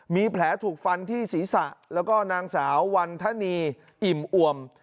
มีแผลถูกฟันที่ศีรษะแล้วก็นางสาววันธนีอิ่มอวม